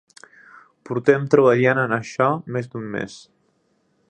Portem treballant en això més d'un mes.